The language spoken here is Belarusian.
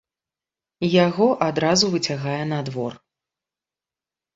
Яго адразу выцягае на двор.